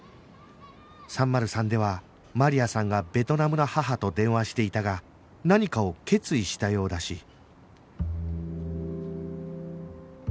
３０３ではマリアさんがベトナムの母と電話していたが何かを決意したようだし